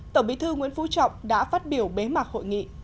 tổng bí thư nguyễn phú trọng đã phát biểu bế mạc hội nghị